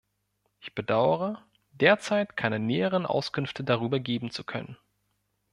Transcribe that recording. Ich bedaure, derzeit keine näheren Auskünfte darüber geben zu können.